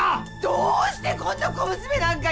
どうしてこんな小娘なんかに。